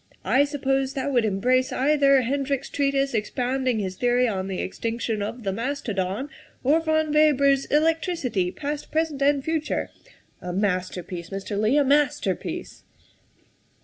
" I suppose that would embrace either Hendrick's treatise expounding his theory on the extinction of the mastodon, or von Weber 's ' Electricity; Past, Present, and Future' a master piece, Mr. Leigh, a masterpiece."